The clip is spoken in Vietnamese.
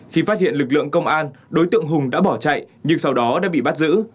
khi phát hiện lực lượng công an đối tượng hùng đã bỏ chạy nhưng sau đó đã bị bắt giữ